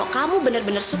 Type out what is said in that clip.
kuat mental juga